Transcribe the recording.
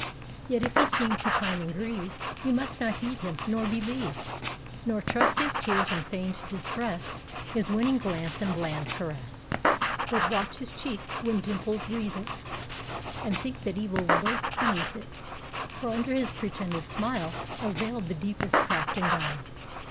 Yet, if he seem to pine and grieve, You must not heed him, nor believe, Nor trust his tears and feigned distress, His winning glance and bland caress; But watch his cheek when dimples wreathe it, And think that evil lurks beneath it; For under his pretended smileAre veiled the deepest craft and guile.